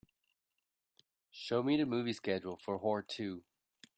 Show me the movie schedule for Whore II.